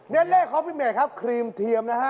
เล่นเลขคอฟฟิเมตครับครีมเทียมนะฮะ